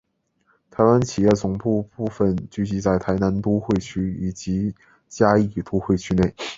台湾企业总部部份聚集在台南都会区及嘉义都会区内。